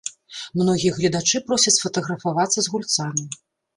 Многія гледачы просяць сфатаграфавацца з гульцамі.